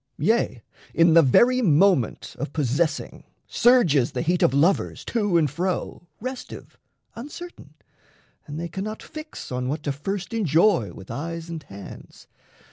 Yea, in the very moment of possessing, Surges the heat of lovers to and fro, Restive, uncertain; and they cannot fix On what to first enjoy with eyes and hands.